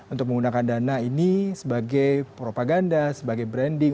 untuk menggunakan dana ini sebagai propaganda sebagai branding